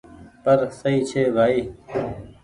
پر سئي ڇي ڀآئي ۔